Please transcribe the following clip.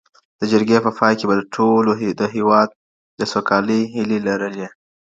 د جرګي په پای کي به ټولو د هیواد د سوکالۍ هیلې لرلي.